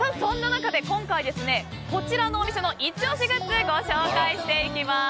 そんな中で今回、こちらのお店のイチ押しグッズをご紹介します。